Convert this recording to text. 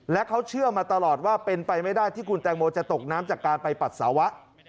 และเขาเชื่อมาตลอดว่าเป็นไปไม่ได้ที่คุณแตงโมจะตกน้ำจากการไปปัสสาวะ